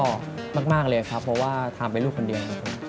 ไม่มีแฟนมากเลยครับเพราะว่าทามเป็นลูกคนเดียว